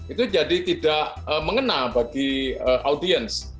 itu jadi tidak mengena bagi audiens